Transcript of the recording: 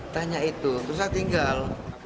tanya itu terus saya tinggal